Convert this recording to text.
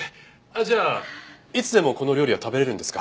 じゃあいつでもこの料理は食べれるんですか？